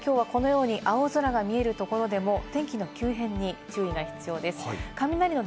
ただ今日はこのように青空が見えるところでも、天気の急変に注意が必要です。